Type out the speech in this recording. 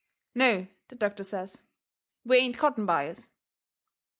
"No," the doctor says, "we ain't cotton buyers."